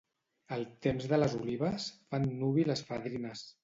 Al temps de les olives, fan nuvi les fadrines.